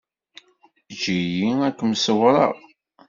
Eǧǧ-iyi ad kem-ṣewwreɣ.